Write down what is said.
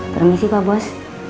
permisi pak bos